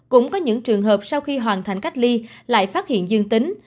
cũng có những trường hợp sau khi hoàn thành cách ly lại phát hiện dương tính